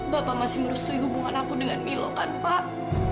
bapak masih merestui hubungan aku dengan milo kan pak